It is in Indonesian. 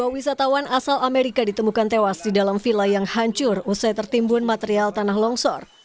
dua wisatawan asal amerika ditemukan tewas di dalam villa yang hancur usai tertimbun material tanah longsor